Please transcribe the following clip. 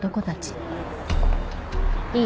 いい？